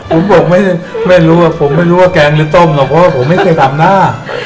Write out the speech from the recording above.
ผมบอกไม่รู้ว่าแกงจะต้มหรอกเพราะว่าผมไม่เคยทำหน้า